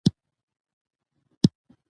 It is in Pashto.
زموږ ټولنه رښتیني کار ته اړتیا لري.